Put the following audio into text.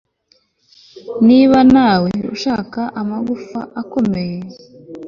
niba nawe ushaka amagufa akomeye